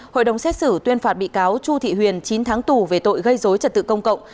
hội đồng xét xử tuyên phạt bị cáo chu thị huyền chín tháng tù về tội gây dối trật tự công cộng